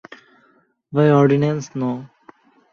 By Ordinance no.